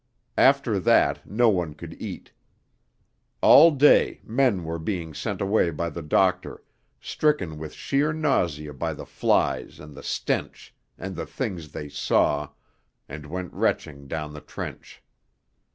After that no one could eat. All day men were being sent away by the doctor, stricken with sheer nausea by the flies and the stench and the things they saw, and went retching down the trench.